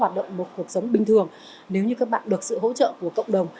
hoạt động một cuộc sống bình thường nếu như các bạn được sự hỗ trợ của cộng đồng